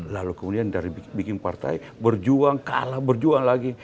lalu kemudian dari bikin partai berjuang kalah berjuang lagi